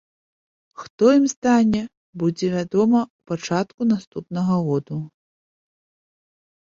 Хто ім стане будзе вядома ў пачатку наступнага году.